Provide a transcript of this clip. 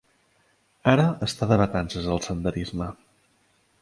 Ara està de vacances el senderisme.